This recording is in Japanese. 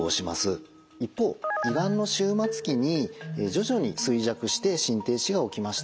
一方胃がんの終末期に徐々に衰弱して心停止が起きました。